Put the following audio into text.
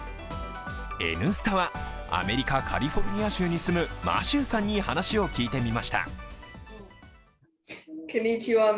「Ｎスタ」はアメリカ・カリフォルニア州に住むマシューさんに話を聞いてみました。